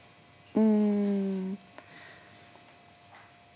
うん。